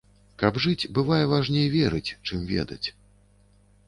Каб жыць, бывае важней верыць, чым ведаць.